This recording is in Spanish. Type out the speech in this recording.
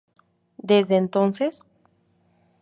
Desde entonces.